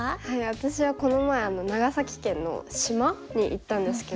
私はこの前長崎県の島に行ったんですけど。